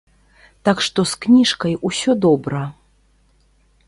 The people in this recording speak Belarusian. Так што з кніжкай усё добра.